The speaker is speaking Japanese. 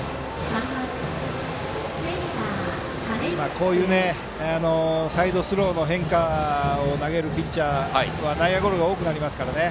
こういうサイドスローで変化球を投げるピッチャーは内野ゴロが多くなりますから。